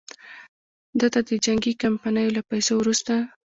ده ته د جنګي کمپنیو له پیسو وروسته.